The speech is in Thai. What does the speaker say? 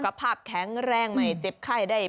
ภาพแข็งแรงไม่เจ็บไข้ได้